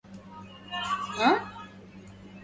لم يكن ما كان شيئا يعتمد